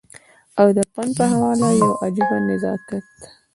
او د فن په حواله يو عجيبه نزاکت